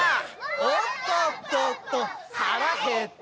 「おっとっとっと腹減った」